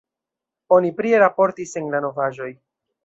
Oni prie raportis en la novaĵoj.